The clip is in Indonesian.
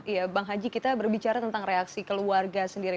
iya bang haji kita berbicara tentang reaksi keluarga sendiri